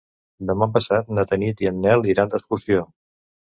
Demà passat na Tanit i en Nel iran d'excursió.